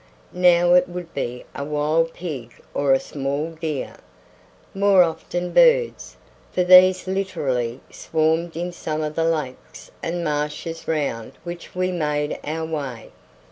Now it would be a wild pig or a small deer, more often birds, for these literally swarmed in some of the lakes and marshes round which we made our way.